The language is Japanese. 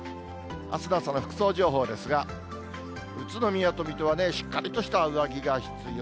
あすの朝の服装情報ですが、宇都宮と水戸はしっかりとした上着が必要。